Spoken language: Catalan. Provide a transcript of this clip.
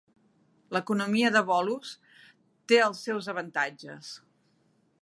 L'economia de bolos té els seus avantatges.